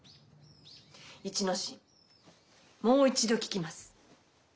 一之進もう一度聞きます。